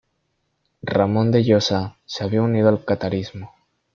Ramón de Josa se había unido al catarismo.